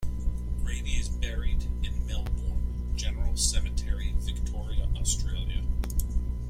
Grady is buried in Melbourne General Cemetery, Victoria, Australia.